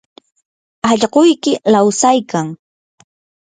allquyki lawsaykan.